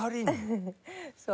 そう。